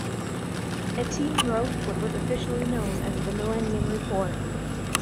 A team wrote what was officially known as the Millennium Report.